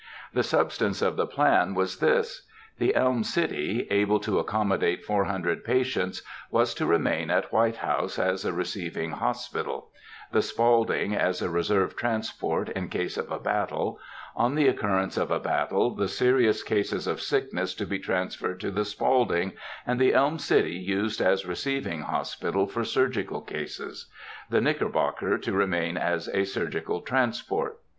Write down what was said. The substance of the plan was this. The Elm City, able to accommodate four hundred patients, was to remain at White House as a receiving hospital; the Spaulding as a reserve transport in case of a battle; on the occurrence of a battle, the serious cases of sickness to be transferred to the Spaulding, and the Elm City used as receiving hospital for surgical cases; the Knickerbocker to remain as a surgical transport.